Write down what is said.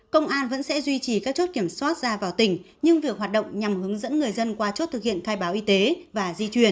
công an vẫn sẽ duy trì các chốt kiểm soát ra vào tỉnh nhưng việc hoạt động nhằm hướng dẫn người dân qua chốt thực hiện khai báo y tế và di chuyển